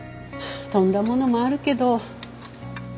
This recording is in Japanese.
飛んだものもあるけど大丈夫。